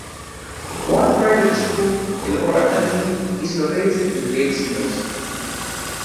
One private school, Gilmour Academy, is located in Gates Mills.